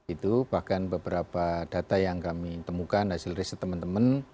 itu bahkan beberapa data yang kami temukan hasil riset teman teman